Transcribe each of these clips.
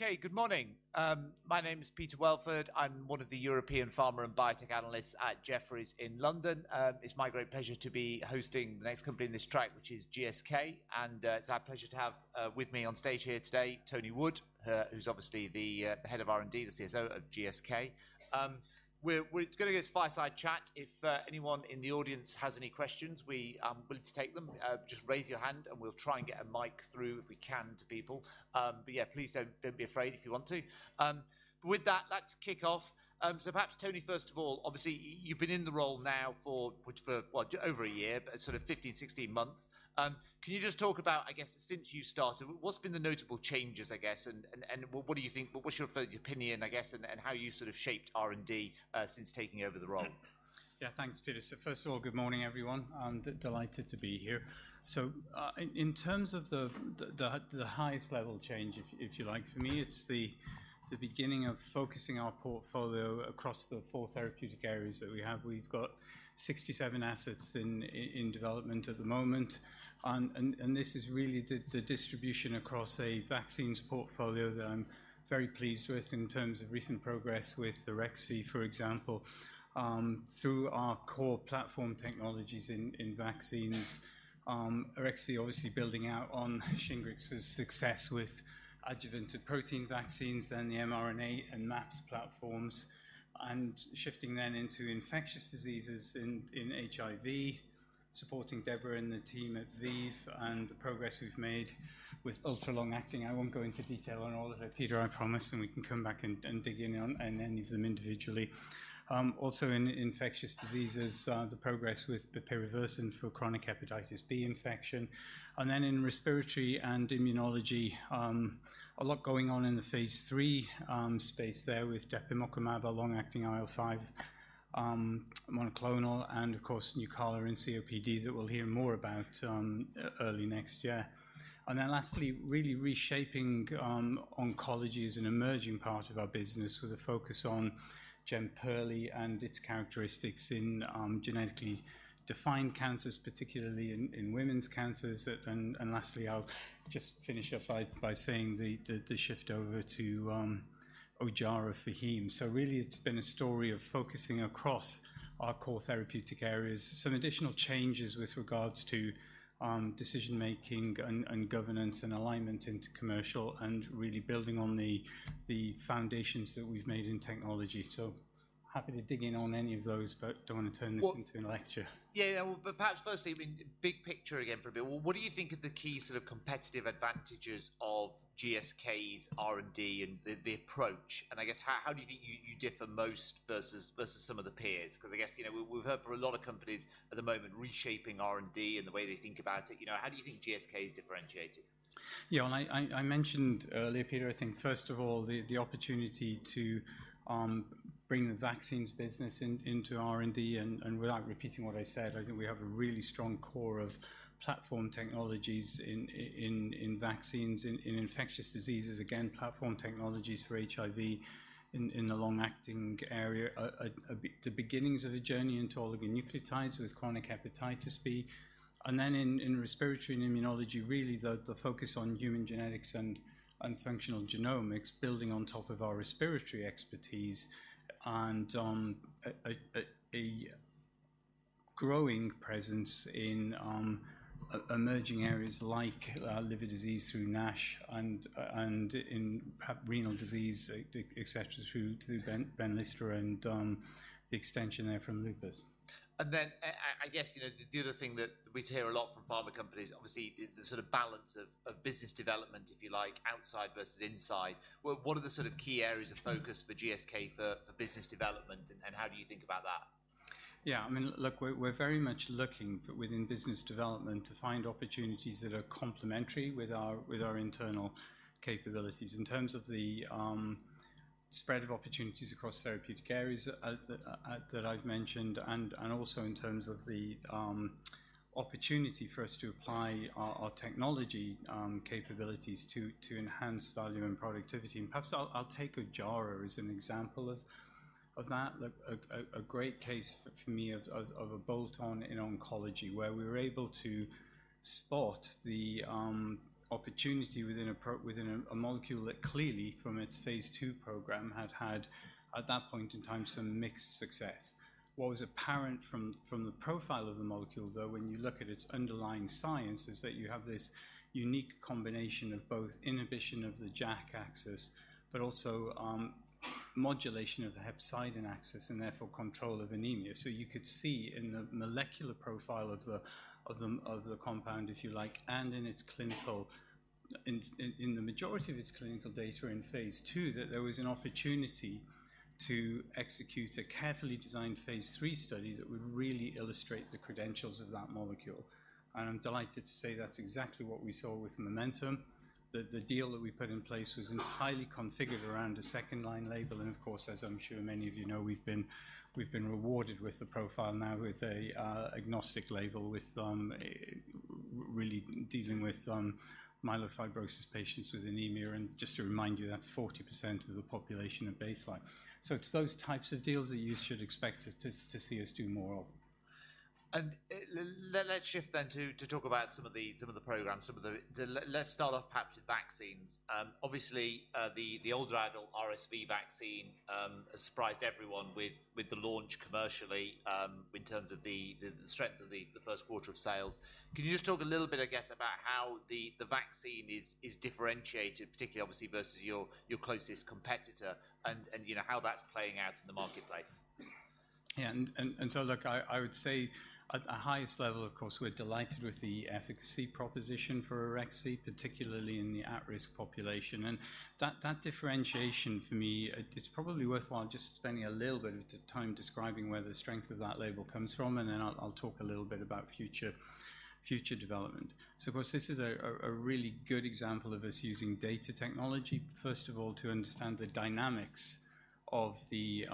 Okay, good morning. My name is Peter Welford. I'm one of the European pharma and biotech analysts at Jefferies in London. It's my great pleasure to be hosting the next company in this track, which is GSK, and it's our pleasure to have with me on stage here today, Tony Wood, who's obviously the head of R&D, the CSO of GSK. We're gonna get a fireside chat. If anyone in the audience has any questions, we are willing to take them. Just raise your hand, and we'll try and get a mic through, if we can, to people. But yeah, please don't be afraid if you want to. With that, let's kick off. So perhaps, Tony, first of all, obviously, you've been in the role now for, which for, well, over a year, but sort of 15, 16 months. Can you just talk about, I guess, since you started, what's been the notable changes, I guess, and, and, and what do you think, what's your opinion, I guess, and, and how you sort of shaped R&D since taking over the role? Yeah, thanks, Peter. So first of all, good morning, everyone, I'm delighted to be here. So, in terms of the highest level change, if you like, for me, it's the beginning of focusing our portfolio across the four therapeutic areas that we have. We've got 67 assets in development at the moment, and this is really the distribution across a vaccines portfolio that I'm very pleased with in terms of recent progress with Arexvy, for example. Through our core platform technologies in vaccines, Arexvy obviously building out on Shingrix's success with adjuvanted protein vaccines, then the mRNA and MAPS platforms, and shifting then into infectious diseases in HIV, supporting Deborah and the team at ViiV, and the progress we've made with ultra-long acting. I won't go into detail on all of it, Peter, I promise, and we can come back and dig in on any of them individually. Also in infectious diseases, the progress with bepirovirsen for chronic hepatitis B infection, and then in respiratory and immunology, a lot going on in the phase III space there with depemokimab, a long-acting IL-5 monoclonal, and of course, Nucala in COPD that we'll hear more about early next year. Then lastly, really reshaping oncology as an emerging part of our business with a focus on Jemperli and its characteristics in genetically defined cancers, particularly in women's cancers. Lastly, I'll just finish up by saying the shift over to Ojjaara for heme. Really, it's been a story of focusing across our core therapeutic areas, some additional changes with regards to decision-making and governance and alignment into commercial, and really building on the foundations that we've made in technology. Happy to dig in on any of those, but don't want to turn this into a lecture. Yeah, yeah. But perhaps firstly, I mean, big picture again for a bit. What do you think are the key sort of competitive advantages of GSK's R&D and the approach, and I guess how do you think you differ most versus some of the peers? Because I guess, you know, we've heard from a lot of companies at the moment reshaping R&D and the way they think about it. You know, how do you think GSK is differentiating? Yeah, and I mentioned earlier, Peter, I think first of all, the opportunity to bring the vaccines business into R&D, and without repeating what I said, I think we have a really strong core of platform technologies in vaccines, in infectious diseases, again, platform technologies for HIV in the long-acting area, the beginnings of a journey into oligonucleotides with chronic hepatitis B. And then in respiratory and immunology, really the focus on human genetics and functional genomics, building on top of our respiratory expertise and a growing presence in emerging areas like liver disease through NASH and in perhaps renal disease, et cetera, through Benlysta and the extension there from lupus. And then, I guess, you know, the other thing that we hear a lot from pharma companies, obviously, is the sort of balance of business development, if you like, outside versus inside. What are the sort of key areas of focus for GSK for business development, and how do you think about that? Yeah, I mean, look, we're very much looking within business development to find opportunities that are complementary with our internal capabilities. In terms of the spread of opportunities across therapeutic areas as that I've mentioned, and also in terms of the opportunity for us to apply our technology capabilities to enhance value and productivity. And perhaps I'll take Ojjaara as an example of that. Look, a great case for me of a bolt-on in oncology, where we were able to spot the opportunity within a molecule that clearly, from its phase II program, had, at that point in time, some mixed success. What was apparent from the profile of the molecule, though, when you look at its underlying science, is that you have this unique combination of both inhibition of the JAK axis, but also, modulation of the hepcidin axis, and therefore control of anemia. So you could see in the molecular profile of the compound, if you like, and in the majority of its clinical data in phase II, that there was an opportunity to execute a carefully designed phase III study that would really illustrate the credentials of that molecule. And I'm delighted to say that's exactly what we saw with MOMENTUM. The deal that we put in place was entirely configured around a second-line label, and of course, as I'm sure many of you know, we've been rewarded with the profile now with a agnostic label, with really dealing with myelofibrosis patients with anemia. And just to remind you, that's 40% of the population at baseline. So it's those types of deals that you should expect to see us do more of. And, let's shift then to talk about some of the programs. Let's start off perhaps with vaccines. Obviously, the older adult RSV vaccine has surprised everyone with the launch commercially, in terms of the strength of the first quarter of sales. Can you just talk a little bit, I guess, about how the vaccine is differentiated, particularly obviously versus your closest competitor and, you know, how that's playing out in the marketplace? Yeah. So, look, I would say at the highest level, of course, we're delighted with the efficacy proposition for Arexvy, particularly in the at-risk population. That differentiation for me, it's probably worthwhile just spending a little bit of time describing where the strength of that label comes from, and then I'll talk a little bit about future development. So, of course, this is a really good example of us using data technology, first of all, to understand the dynamics of the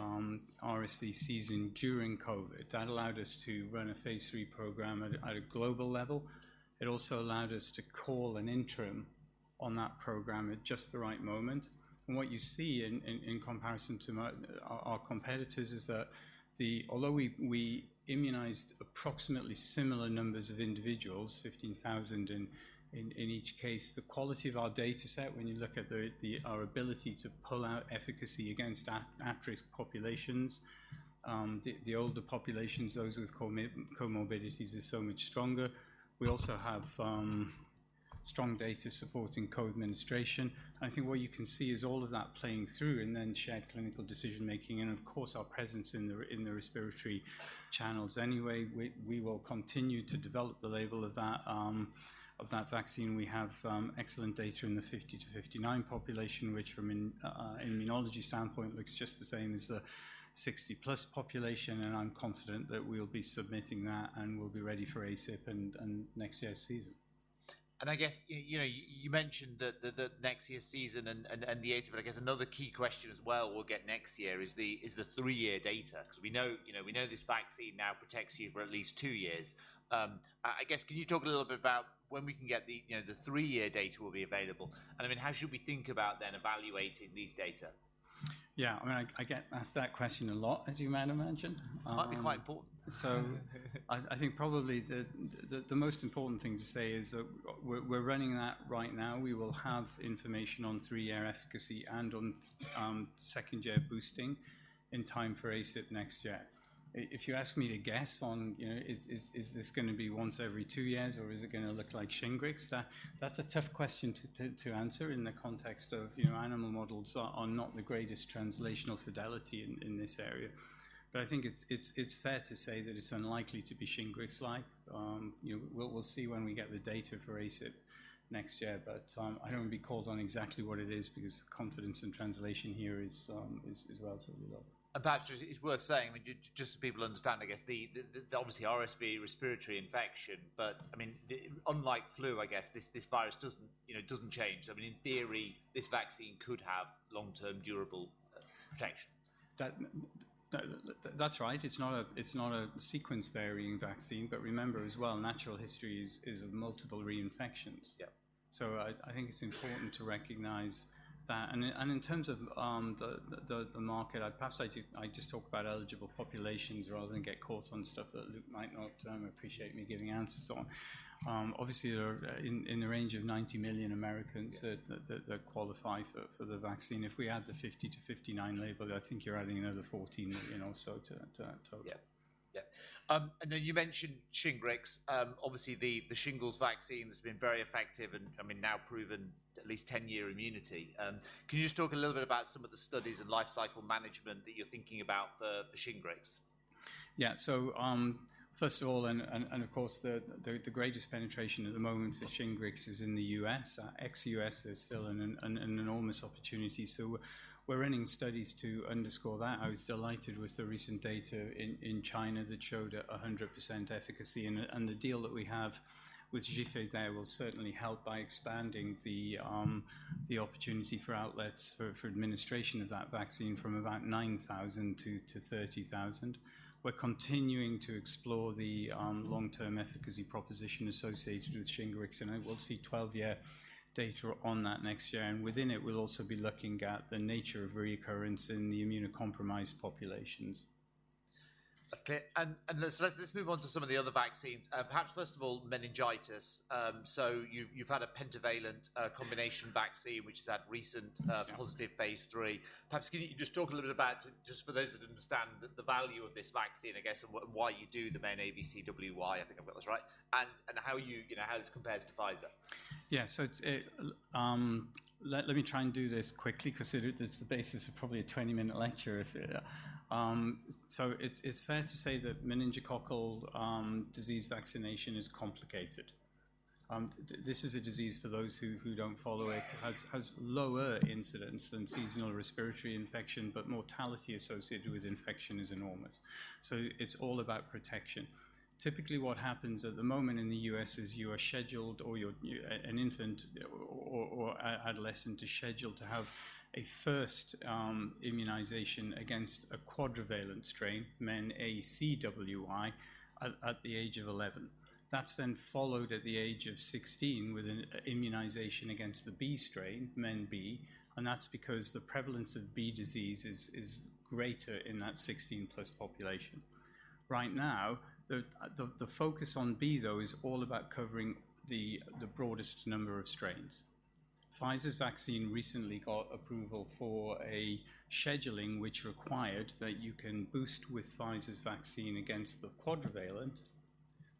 RSV season during COVID. That allowed us to run a phase III program at a global level. It also allowed us to call an interim on that program at just the right moment. What you see in comparison to our competitors is that although we immunized approximately similar numbers of individuals, 15,000 in each case, the quality of our data set, when you look at our ability to pull out efficacy against at-risk populations, the older populations, those with comorbidities, is so much stronger. We also have strong data supporting co-administration. I think what you can see is all of that playing through and then shared clinical decision-making and, of course, our presence in the respiratory channels. Anyway, we will continue to develop the label of that vaccine. We have excellent data in the 50-59 population, which from an immunology standpoint, looks just the same as the 60+ population, and I'm confident that we'll be submitting that, and we'll be ready for ACIP and next year's season. I guess, you know, you mentioned that, the next year's season and the ACIP. I guess another key question as well we'll get next year is the three-year data. Because we know, you know, we know this vaccine now protects you for at least two years. I guess, can you talk a little bit about when we can get the, you know, the three-year data will be available? And, I mean, how should we think about then evaluating these data? Yeah, I mean, I get asked that question a lot, as you might imagine. Might be quite important. So I think probably the most important thing to say is that we're running that right now. We will have information on three-year efficacy and on second-year boosting in time for ACIP next year. If you ask me to guess on, you know, is this gonna be once every two years, or is it gonna look like Shingrix? That's a tough question to answer in the context of, you know, animal models are not the greatest translational fidelity in this area. But I think it's fair to say that it's unlikely to be Shingrix-like. You know, we'll see when we get the data for ACIP next year, but I don't want to be called on exactly what it is because confidence in translation here is relatively low. Perhaps it's worth saying, I mean, just so people understand, I guess, the obviously RSV respiratory infection, but, I mean, the, unlike flu, I guess, this virus doesn't, you know, change. I mean, in theory, this vaccine could have long-term durable protection. That's right. It's not a sequence-varying vaccine, but remember as well, natural history is of multiple reinfections. Yeah. So I think it's important to recognize that. And in terms of the market, I perhaps do, I just talk about eligible populations rather than get caught on stuff that Luke might not appreciate me giving answers on. Obviously, there are in the range of 90 million Americans. Yeah That qualify for the vaccine. If we add the 50-59 label, I think you're adding another 14 million or so to that total. Yeah. Yeah. I know you mentioned Shingrix. Obviously, the shingles vaccine has been very effective and, I mean, now proven at least 10-year immunity. Can you just talk a little bit about some of the studies and life cycle management that you're thinking about for Shingrix? Yeah. So, first of all, of course, the greatest penetration at the moment for Shingrix is in the U.S. Ex-U.S., there's still an enormous opportunity, so we're running studies to underscore that. I was delighted with the recent data in China that showed 100% efficacy, and the deal that we have with Zhifei there will certainly help by expanding the opportunity for outlets for administration of that vaccine from about 9,000 to 30,000. We're continuing to explore the long-term efficacy proposition associated with Shingrix, and we'll see 12-year data on that next year, and within it, we'll also be looking at the nature of reoccurrence in the immunocompromised populations. That's clear. Let's move on to some of the other vaccines. Perhaps first of all, meningitis. So you've had a pentavalent combination vaccine, which has had recent Yeah Positive phase III. Perhaps can you just talk a little bit about, just for those that understand the value of this vaccine, I guess, and what, why you do the MenABCWY, I think I got this right, and how you, you know, how this compares to Pfizer? Yeah. So, let me try and do this quickly because it, this is the basis of probably a 20-minute lecture. So it's fair to say that meningococcal disease vaccination is complicated. This is a disease for those who don't follow it has lower incidence than seasonal respiratory infection, but mortality associated with infection is enormous. So it's all about protection. Typically, what happens at the moment in the U.S. is you are scheduled or you're an infant or a adolescent is scheduled to have a first immunization against a quadrivalent strain, MenACWY, at the age of 11. That's then followed at the age of 16 with an immunization against the B strain, MenB, and that's because the prevalence of B disease is greater in that 16+ population. Right now, the focus on B, though, is all about covering the broadest number of strains. Pfizer's vaccine recently got approval for a scheduling which required that you can boost with Pfizer's vaccine against the quadrivalent,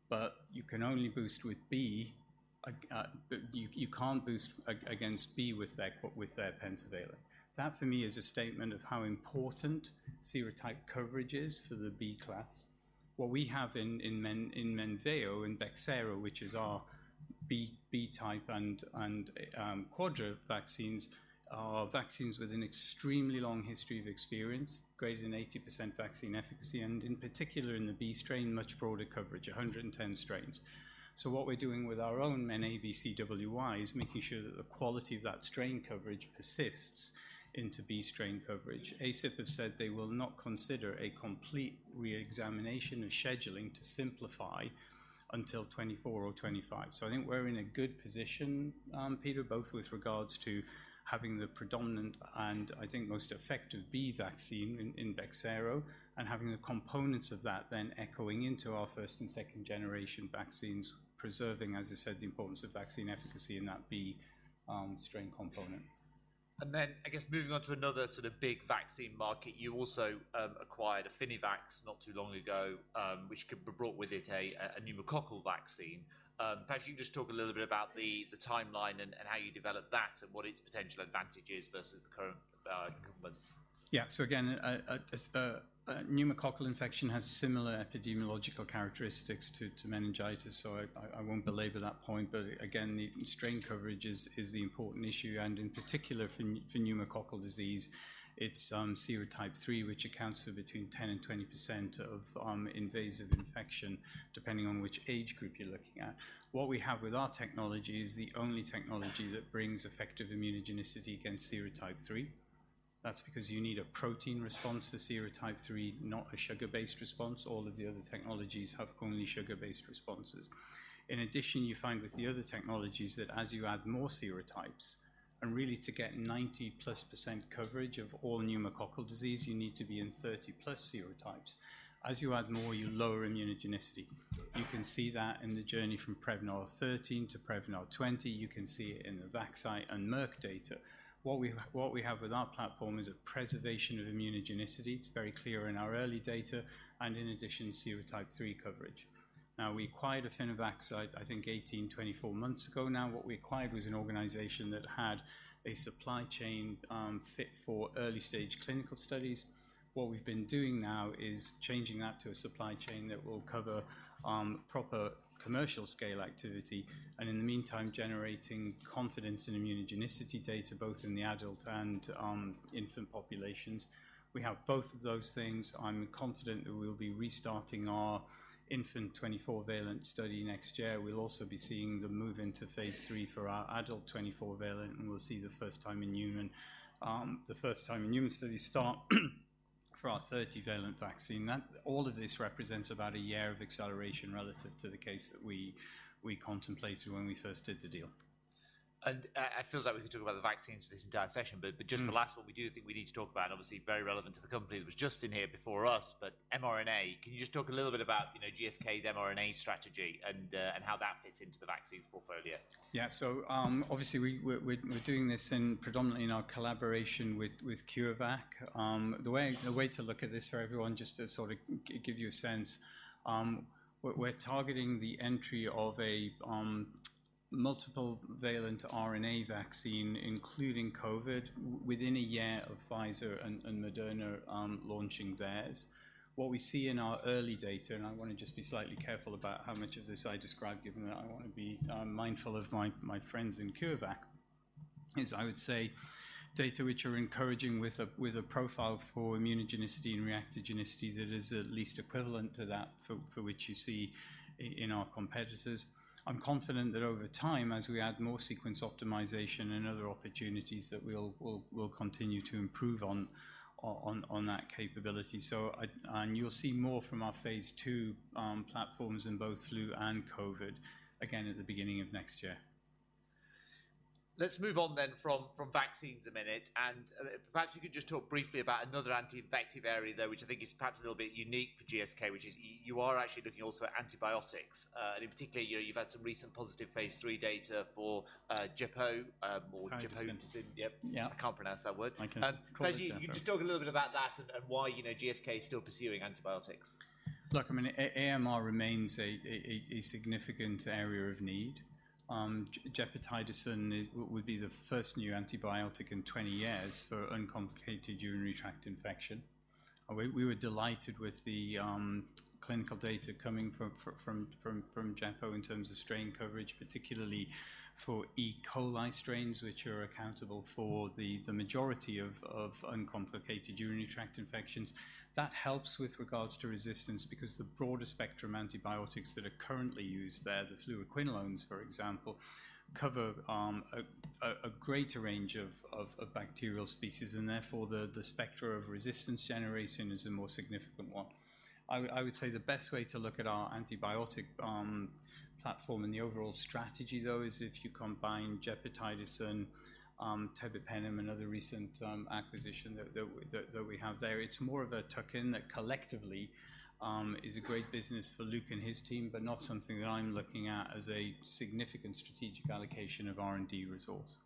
but you can only boost with B. But you can't boost against B with their pentavalent. That, for me, is a statement of how important serotype coverage is for the B class. What we have in Menveo, in Bexsero, which is our B type and quadrivalent vaccines, are vaccines with an extremely long history of experience, greater than 80% vaccine efficacy, and in particular, in the B strain, much broader coverage, 110 strains. So what we're doing with our own MenACWY is making sure that the quality of that strain coverage persists into B strain coverage. ACIP have said they will not consider a complete reexamination of scheduling to simplify until 2024 or 2025. So I think we're in a good position, Peter, both with regards to having the predominant, and I think most effective B vaccine in Bexsero, and having the components of that then echoing into our 1st and 2nd generation vaccines, preserving, as I said, the importance of vaccine efficacy in that B strain component. Then, I guess moving on to another sort of big vaccine market, you also acquired Affinivax not too long ago, which brought with it a pneumococcal vaccine. Perhaps you can just talk a little bit about the timeline and how you developed that and what its potential advantage is versus the current components. Yeah. So again, pneumococcal infection has similar epidemiological characteristics to meningitis, so I won't belabor that point. But again, the strain coverage is the important issue, and in particular, for pneumococcal disease, it's serotype 3, which accounts for between 10%-20% of invasive infection, depending on which age group you're looking at. What we have with our technology is the only technology that brings effective immunogenicity against serotype 3. That's because you need a protein response to serotype 3, not a sugar-based response. All of the other technologies have only sugar-based responses. In addition, you find with the other technologies that as you add more serotypes, and really to get 90%+ coverage of all pneumococcal disease, you need to be in 30+ serotypes. As you add more, you lower immunogenicity. You can see that in the journey from Prevnar 13 to Prevnar 20. You can see it in the Vaxneuvance and Merck data. What we have, what we have with our platform is a preservation of immunogenicity. It's very clear in our early data and in addition, serotype 3 coverage. Now, we acquired Affinivax, I think 18-24 months ago now. What we acquired was an organization that had a supply chain fit for early-stage clinical studies. What we've been doing now is changing that to a supply chain that will cover proper commercial scale activity, and in the meantime, generating confidence in immunogenicity data, both in the adult and infant populations. We have both of those things. I'm confident that we'll be restarting our infant 24-valent study next year. We'll also be seeing the move into phase III for our adult 24-valent, and we'll see the first time in human studies start for our 30-valent vaccine. That. All of this represents about a year of acceleration relative to the case that we contemplated when we first did the deal. It feels like we could talk about the vaccines for this entire session. Mm. But just the last one we do think we need to talk about, obviously, very relevant to the company that was just in here before us, but mRNA. Can you just talk a little bit about, you know, GSK's mRNA strategy and, and how that fits into the vaccines portfolio? Yeah. So, obviously, we're doing this predominantly in our collaboration with CureVac. The way to look at this for everyone, just to sort of give you a sense, we're targeting the entry of a multiple valent RNA vaccine, including COVID, within a year of Pfizer and Moderna launching theirs. What we see in our early data, and I want to just be slightly careful about how much of this I describe, given that I want to be mindful of my friends in CureVac, is, I would say, data which are encouraging with a profile for immunogenicity and reactogenicity that is at least equivalent to that for which you see in our competitors. I'm confident that over time, as we add more sequence optimization and other opportunities, that we'll continue to improve on that capability. So I, and you'll see more from our phase II platforms in both flu and COVID, again, at the beginning of next year. Let's move on then from vaccines a minute, and perhaps you could just talk briefly about another anti-infective area, though, which I think is perhaps a little bit unique for GSK, which is you are actually looking also at antibiotics. And in particular, you've had some recent positive phase III data for gepotidacin. Yeah. I can't pronounce that word. I can. Call it gepot. Perhaps you just talk a little bit about that and why, you know, GSK is still pursuing antibiotics. Look, I mean, AMR remains a significant area of need. Gepotidacin would be the first new antibiotic in 20 years for uncomplicated urinary tract infection. We were delighted with the clinical data coming from gepotidacin in terms of strain coverage, particularly for E. coli strains, which are accountable for the majority of uncomplicated urinary tract infections. That helps with regards to resistance because the broader spectrum antibiotics that are currently used there, the fluoroquinolones, for example, cover a greater range of bacterial species, and therefore, the spectra of resistance generation is a more significant one. I would say the best way to look at our antibiotic platform and the overall strategy, though, is if you combine gepotidacin and tebipenem, another recent acquisition that we have there. It's more of a tuck-in that collectively is a great business for Luke and his team, but not something that I'm looking at as a significant strategic allocation of R&D resource.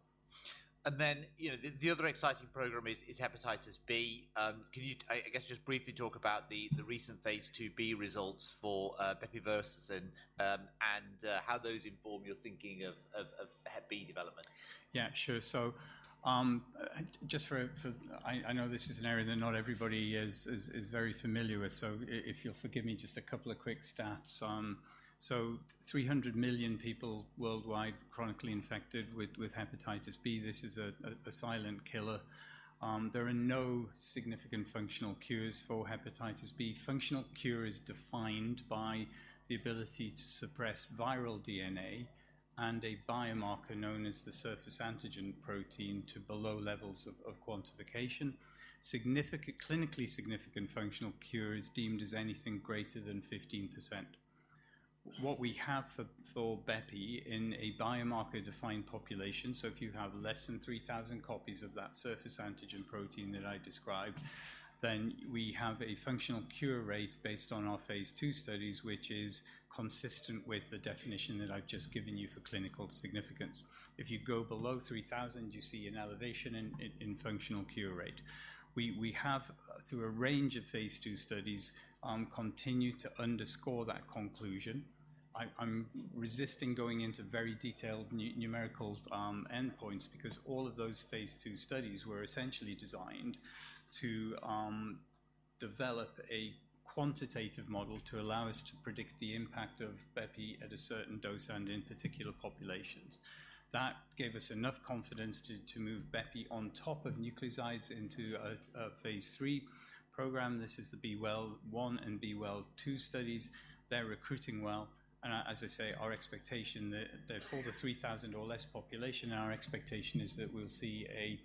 Then, you know, the other exciting program is hepatitis B. Can you, I guess, just briefly talk about the recent phase II-B results for bepirovirsen, and how those inform your thinking of hep B development? Yeah, sure. So, just for, I know this is an area that not everybody is very familiar with, so if you'll forgive me, just a couple of quick stats. So, 300 million people worldwide, chronically infected with hepatitis B. This is a silent killer. There are no significant functional cures for hepatitis B. Functional cure is defined by the ability to suppress viral DNA and a biomarker known as the surface antigen protein to below levels of quantification. Clinically significant functional cure is deemed as anything greater than 15%. What we have for bepi in a biomarker-defined population, so if you have less than 3,000 copies of that surface antigen protein that I described, then we have a functional cure rate based on our phase II studies, which is consistent with the definition that I've just given you for clinical significance. If you go below 3,000, you see an elevation in functional cure rate. We have through a range of phase II studies continued to underscore that conclusion. I'm resisting going into very detailed numerical endpoints because all of those phase II studies were essentially designed to develop a quantitative model to allow us to predict the impact of bepi at a certain dose and in particular populations. That gave us enough confidence to move bepi on top of nucleosides into a phase III program. This is the B-Well 1 and B-Well 2 studies. They're recruiting well, and as I say, our expectation that for the 3,000 or less population, our expectation is that we'll see a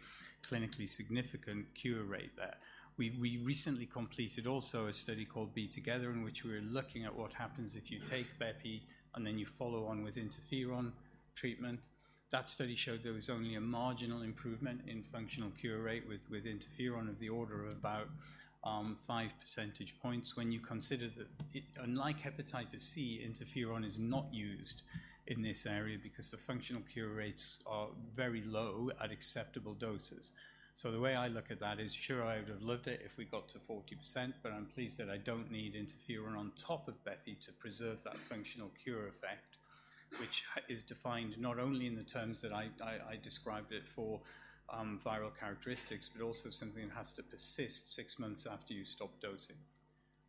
clinically significant cure rate there. We recently completed also a study called B-Together, in which we were looking at what happens if you take bepi, and then you follow on with interferon treatment. That study showed there was only a marginal improvement in functional cure rate with interferon of the order of about five percentage points. When you consider that it, unlike hepatitis C, interferon is not used in this area because the functional cure rates are very low at acceptable doses. So the way I look at that is, sure, I would have loved it if we got to 40%, but I'm pleased that I don't need interferon on top of bepi to preserve that functional cure effect, which is defined not only in the terms that I described it for, viral characteristics, but also something that has to persist six months after you stop dosing.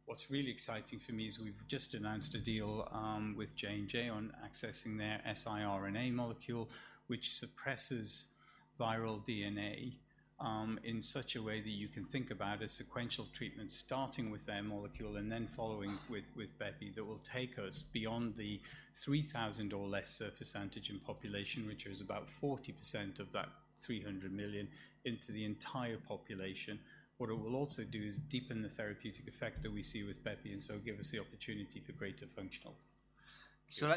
What's really exciting for me is we've just announced a deal, with J&J on accessing their siRNA molecule, which suppresses viral DNA, in such a way that you can think about a sequential treatment, starting with their molecule and then following with bepi, that will take us beyond the 3,000 or less surface antigen population, which is about 40% of that 300 million, into the entire population. What it will also do is deepen the therapeutic effect that we see with bepi, and so give us the opportunity for greater functional. So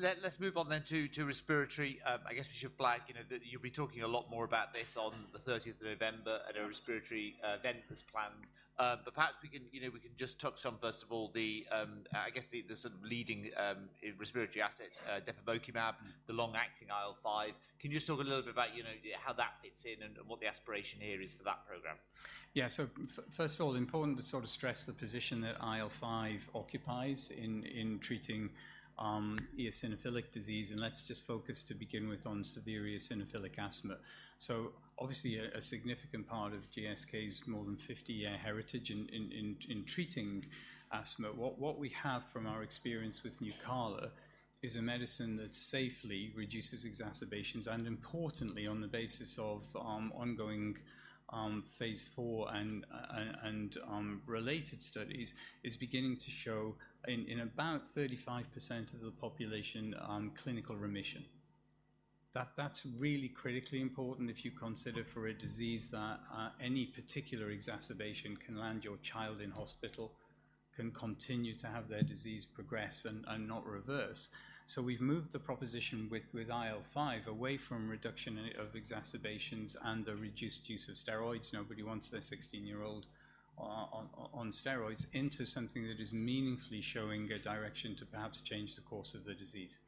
let's move on then to respiratory. I guess we should flag, you know, that you'll be talking a lot more about this on the 13th November at a respiratory event that's planned. But perhaps we can, you know, we can just touch on, first of all, the, I guess, the sort of leading respiratory asset, depemokimab, the long-acting IL-5. Can you just talk a little bit about, you know, how that fits in and what the aspiration here is for that program? Yeah. So first of all, important to sort of stress the position that IL-5 occupies in treating eosinophilic disease, and let's just focus to begin with on severe eosinophilic asthma. So obviously, a significant part of GSK's more than 50-year heritage in treating asthma. What we have from our experience with Nucala is a medicine that safely reduces exacerbations, and importantly, on the basis of ongoing phase IV and related studies, is beginning to show in about 35% of the population clinical remission. That's really critically important if you consider for a disease that any particular exacerbation can land your child in hospital, can continue to have their disease progress and not reverse. So we've moved the proposition with IL-5 away from reduction in exacerbations and the reduced use of steroids. Nobody wants their 16-year-old on steroids into something that is meaningfully showing a direction to perhaps change the course of the disease.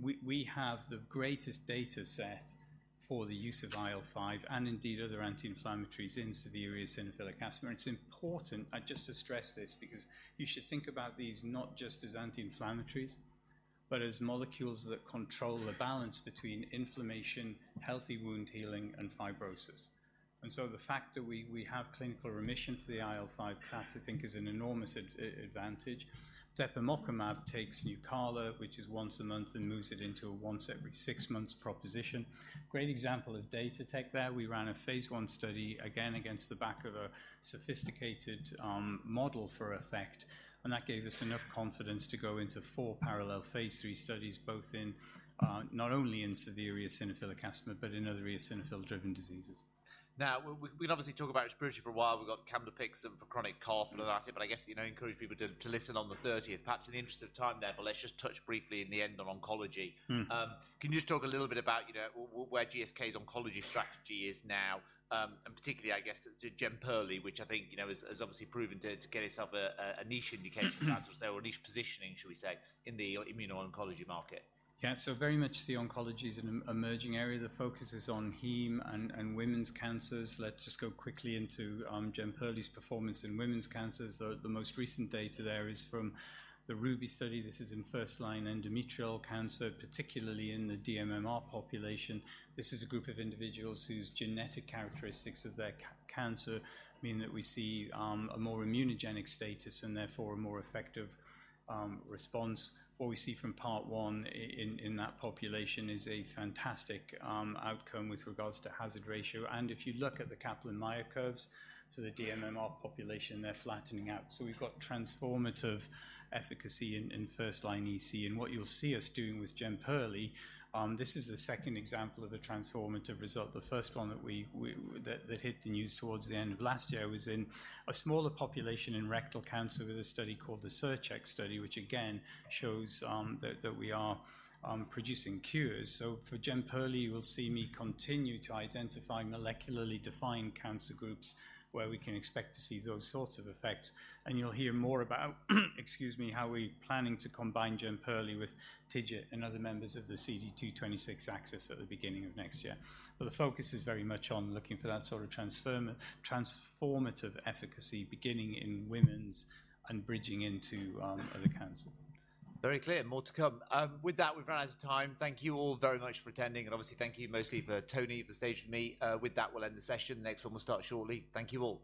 We have the greatest data set for the use of IL-5 and indeed other anti-inflammatories in severe eosinophilic asthma. And it's important, just to stress this, because you should think about these not just as anti-inflammatories but as molecules that control the balance between inflammation, healthy wound healing, and fibrosis. And so the fact that we have clinical remission for the IL-5 class, I think, is an enormous advantage. depemokimab takes Nucala, which is once a month, and moves it into a once every six months proposition. Great example of data tech there. We ran a phase I study, again, against the back of a sophisticated model for effect, and that gave us enough confidence to go into four parallel phase III studies, both in not only in severe eosinophilic asthma but in other eosinophil-driven diseases. Now, we'll obviously talk about respiratory for a while. We've got camlipixant for chronic cough and that, but I guess, you know, encourage people to listen on the 30th. Perhaps in the interest of time, therefore, let's just touch briefly in the end on oncology. Mm. Can you just talk a little bit about, you know, where GSK's oncology strategy is now, and particularly, I guess, to Jemperli, which I think, you know, is, is obviously proven to get itself a niche indication, or a niche positioning, should we say, in the immuno-oncology market? Yeah. So very much the oncology is an emerging area. The focus is on heme and women's cancers. Let's just go quickly into Jemperli's performance in women's cancers. The most recent data there is from the RUBY study. This is in first-line endometrial cancer, particularly in the dMMR population. This is a group of individuals whose genetic characteristics of their cancer mean that we see a more immunogenic status and therefore a more effective response. What we see from part one in that population is a fantastic outcome with regards to hazard ratio. And if you look at the Kaplan-Meier curves for the dMMR population, they're flattening out. So we've got transformative efficacy in first-line EC. And what you'll see us doing with Jemperli, this is the second example of a transformative result. The first one that hit the news towards the end of last year was in a smaller population in rectal cancer with a study called the Cercek study, which again shows that we are producing cures. So for Jemperli, you will see me continue to identify molecularly defined cancer groups where we can expect to see those sorts of effects, and you'll hear more about, excuse me, how we're planning to combine Jemperli with TIGIT and other members of the CD226 axis at the beginning of next year. But the focus is very much on looking for that sort of transformative efficacy, beginning in women's and bridging into other cancers. Very clear. More to come. With that, we've run out of time. Thank you all very much for attending, and obviously, thank you mostly for Tony for staging me. With that, we'll end the session. The next one will start shortly. Thank you all.